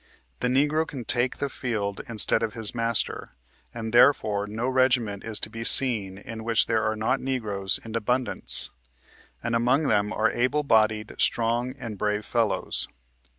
The Negro can lake the field, instead of his master ; and, therefore, no regiment is to he seen in which there are not Negroes in abundance ; and among them are able bodied, strong and brave fellows."